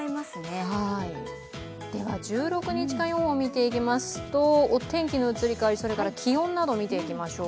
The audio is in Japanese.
では１６日間予報を見ていきますとお天気の移り変わり、気温などを見ていきましょう。